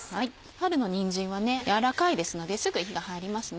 春のにんじんは柔らかいですのですぐ火が入りますね